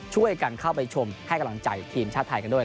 ช่วยกันเข้าไปชมให้กำลังใจทีมชาติไทยกันด้วย